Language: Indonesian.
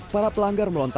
para pelanggar melontongnya